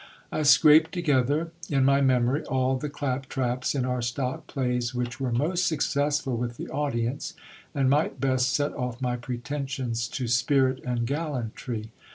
I scraped together in my memory all the clap traps in our stock plays, which were most successful with the audience, and might best set off my pretensions to spirit and gallantry.